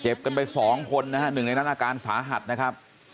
เจ็บกันไป๒คนนะครับหนึ่งในนักนาการสาหัสนะครับ